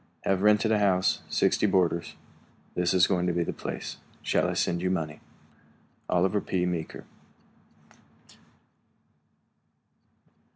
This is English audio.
Have rented a house, sixty boarders. This is going to be the place. Shall I send you money? OLIVER P. MEEKER.